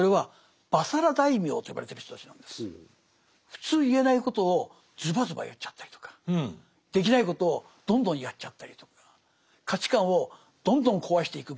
普通言えないことをズバズバ言っちゃったりとかできないことをどんどんやっちゃったりとか価値観をどんどん壊していく。